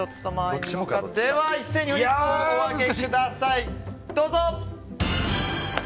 一斉にフリップをお上げください。